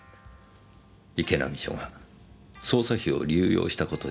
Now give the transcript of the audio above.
池波署が捜査費を流用した事になります。